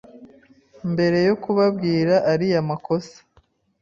Mbere yo kubabwira ariya makosa